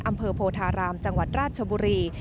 อำเภอโพธารามจังหวัดราชบุรี